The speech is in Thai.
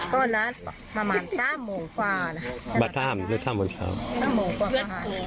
ตอนนั้นประมาณสามโมงกว่านะบัตรสามหรือสามวันเช้าสามโมงกว่าอาหาร